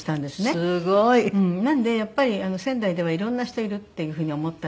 すごい！なのでやっぱり仙台ではいろんな人いるっていう風に思ったらしく。